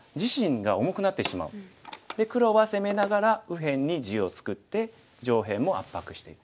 で黒は攻めながら右辺に地を作って上辺も圧迫してる。